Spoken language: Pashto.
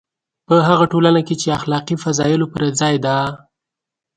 په هغه ټولنه کې چې اخلاقي فضایلو پر ځای ده.